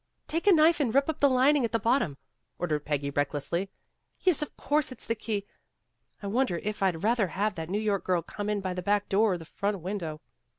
"Take a knife and rip up the lining at the bottom," ordered Peggy recklessly. "Yes, of course it 's the key. I wonder if I 'd rather have that New York girl come in by the back door or the front window."